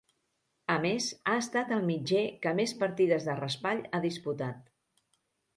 A més, ha estat el mitger que més partides de raspall ha disputat.